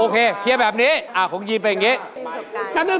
โอเคเคลียร์แบบนี้อ่ะคงยีมเป็นอย่างนี้